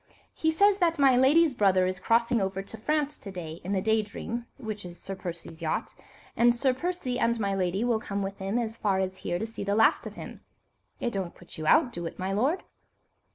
He says that my lady's brother is crossing over to France to day in the Day Dream, which is Sir Percy's yacht, and Sir Percy and my lady will come with him as far as here to see the last of him. It don't put you out, do it, my lord?"